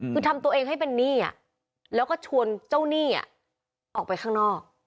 คือทำตัวเองให้เป็นหนี้แล้วก็ชวนเจ้าหนี้ออกไปข้างนอก